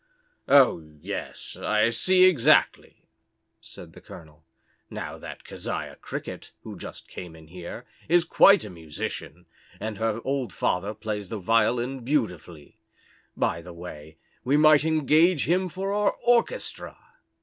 "Oh, yes, I see exactly," said the colonel. "Now that Keziah Cricket, who just came in here, is quite a musician, and her old father plays the violin beautifully; by the way, we might engage him for our orchestra."